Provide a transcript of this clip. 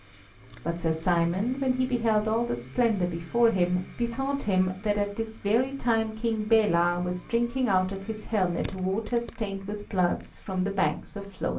But Sir Simon, when he beheld all the splendour before him, bethought him that at this very time King Bela was drinking out of his helmet water stained with bloods from the banks of flowing streams.